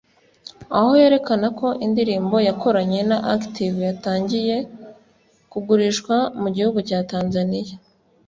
aho yerekana ko indirimbo yakoranye na Active yatangiye kugurishwa mu gihugu cya Tanzania